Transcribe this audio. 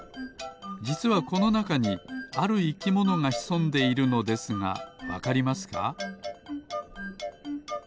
じつはこのなかにあるいきものがひそんでいるのですがわかりますか？